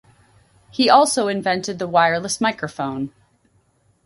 He also invented the wireless microphone.